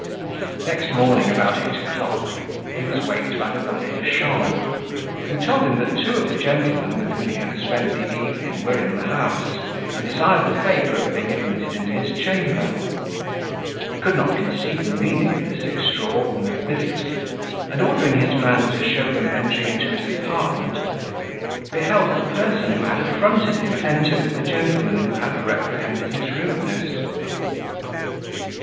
Next morning, about eight o'clock, he was waked by his valet de chambre, who told him that two of the gentlemen with whom he had spent the evening were in the house, and desired the favour of being admitted into his chamber. He could not conceive the meaning of this extraordinary visit; and, ordering his man to show them enter into his apartment, beheld the person who had affronted him enter with the gentleman who had reprehended his rudeness.